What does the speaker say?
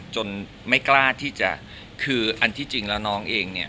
ไม่กล้าที่จะคืออันที่จริงแล้วน้องเองเนี่ย